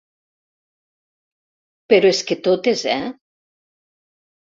Però és que totes, eh?